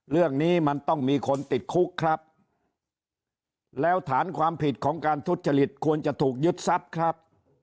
เรื่องนี้มันต้องมีคนติดคุกครับแล้วฐานความผิดของการทุจริตควรจะถูกยึดทรัพย์ครับ